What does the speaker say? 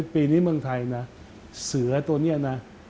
ปีนี้เมืองไทยนะเสือตัวนี้นะ